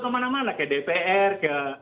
kemana mana ke dpr ke